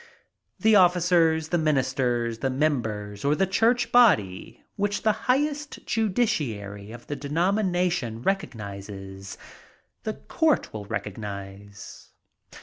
The officers, the ministers, the members, or the church body which the highest judiciary of the denomination recognizes, the court will recognize.